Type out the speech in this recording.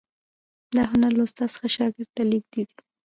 دا هنر له استاد څخه شاګرد ته لیږدید.